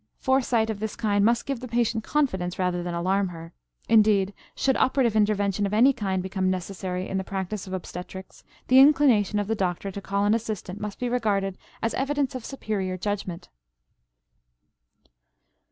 Foresight of this kind must give the patient confidence rather than alarm her. Indeed, should operative intervention of any kind become necessary in the practice of obstetrics, the inclination of the doctor to call an assistant must be regarded as an evidence of superior judgment.